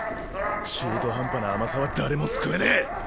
中途半端な甘さは誰も救えねぇ。